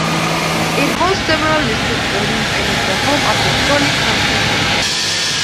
It hosts several listed buildings and is the home of The Crawley Croquet Club.